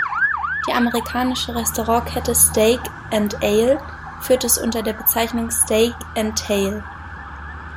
Die amerikanische Restaurantkette "Steak and Ale" führt es unter der Bezeichnung "Steak and Tail".